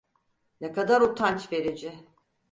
Ne kadar utanç verici.